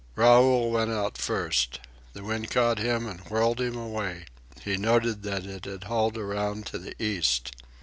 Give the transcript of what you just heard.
Raoul went out first. The wind caught him and whirled him away. He noted that it had hauled around to the east.